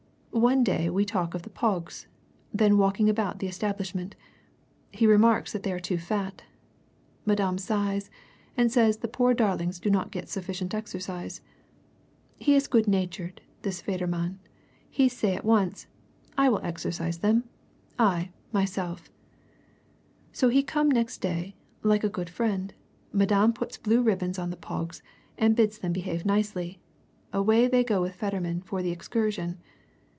One day we talk of the pogs, then walking about the establishment. He remarks that they are too fat. Madame sighs and says the poor darlings do not get sufficient exercise. He is good natured, this Federman he say at once 'I will exercise them I, myself,' So he come next day, like a good friend, Madame puts blue ribbons on the pogs, and bids them behave nicely away they go with Federman for the excursion.